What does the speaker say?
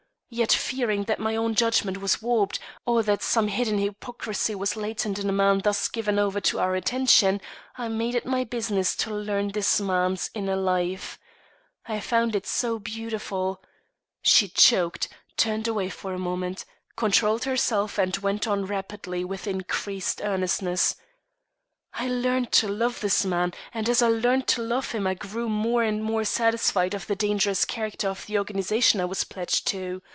Yet, fearing that my own judgment was warped, or that some hidden hypocrisy was latent in a man thus given over to our attention, I made it my business to learn this man's inner life. I found it so beautiful " She choked, turned away for a moment, controlled herself, and went on rapidly and with increased earnestness: "I learned to love this man, and as I learned to love him I grew more and more satisfied of the dangerous character of the organization I was pledged to.